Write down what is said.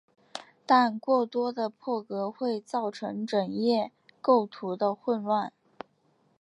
但过多的破格会造成整页构图的混乱。